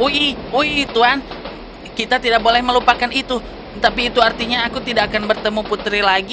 ui ui tuan kita tidak boleh melupakan itu tapi itu artinya aku tidak akan bertemu putri lagi